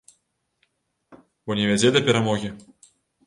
Бо не вядзе да перамогі.